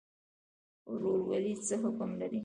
ورورولي څه حکم لري؟